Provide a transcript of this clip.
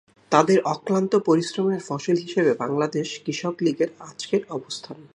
তাদের অক্লান্ত পরিশ্রমের ফসল হিসেবে বাংলাদেশ কৃষক লীগের আজকের অবস্থান।